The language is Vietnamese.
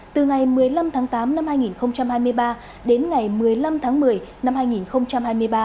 từ ngày một mươi năm tháng tám năm hai nghìn hai mươi ba đến ngày một mươi năm tháng một mươi năm hai nghìn hai mươi ba